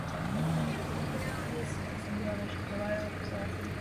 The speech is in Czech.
Vyzývám, abychom tento problém řešili s přihlédnutím k budoucnosti.